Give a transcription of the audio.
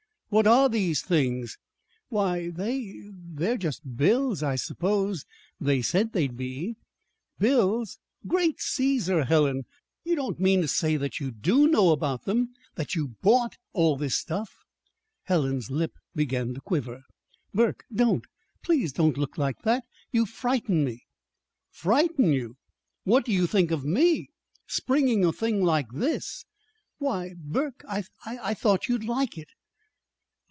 What are these things?" "Why, they they're just bills, I suppose. They said they'd be." "Bills! Great Cæsar, Helen! You don't mean to say that you do know about them that you bought all this stuff?" Helen's lip began to quiver. "Burke, don't please don't look like that. You frighten me." "Frighten you! What do you think of me? springing a thing like this!" "Why, Burke, I I thought you'd like it."